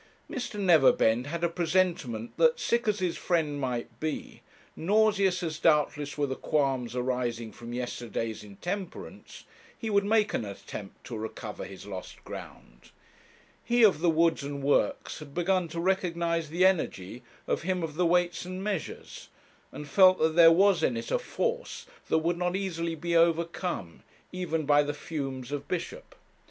Mr. Neverbend had a presentiment that, sick as his friend might be, nauseous as doubtless were the qualms arising from yesterday's intemperance, he would make an attempt to recover his lost ground. He of the Woods and Works had begun to recognize the energy of him of the Weights and Measures, and felt that there was in it a force that would not easily be overcome, even by the fumes of bishop.